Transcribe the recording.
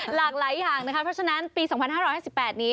หลากหลายอย่างนะครับเพราะฉะนั้นปี๒๕๕๘นี้